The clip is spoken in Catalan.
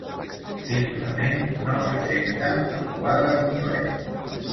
Simplement no presenten el quadre complet.